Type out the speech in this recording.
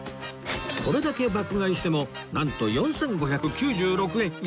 これだけ爆買いしてもなんと４５９６円！